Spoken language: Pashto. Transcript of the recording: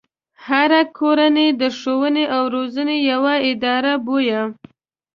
هره کورنۍ د ښوونې او روزنې يوه اداره بويه.